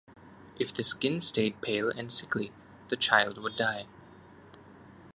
If the skin stayed pale and sickly, the child would die.